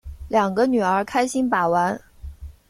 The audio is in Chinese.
两个女儿开心把玩